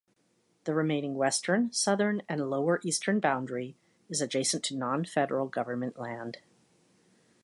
The remaining western, southern, and lower eastern boundary is adjacent to non-federal government land.